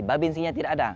babinsinya tidak ada